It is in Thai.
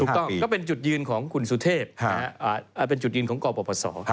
ก็เป็นจุดยืนของคุณสุเทพเป็นจุดยืนของกรปศ